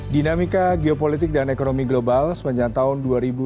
dinamika geopolitik dan ekonomi global sepanjang tahun dua ribu dua puluh